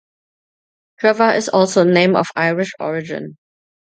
Trevor is also a name of Irish origin.